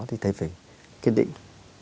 thì thầy phải kiên định